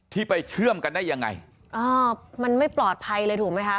ไปเชื่อมกันได้ยังไงอ๋อมันไม่ปลอดภัยเลยถูกไหมคะ